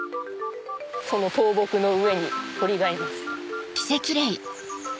その倒木の上に鳥がいます。